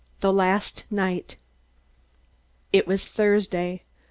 The Last Night It was Thursday.